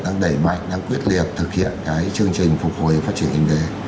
đang đẩy mạnh đang quyết liệt thực hiện cái chương trình phục hồi phát triển kinh tế